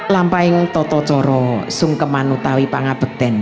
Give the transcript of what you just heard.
lampaing toto coro sungkemanutawi pangabekten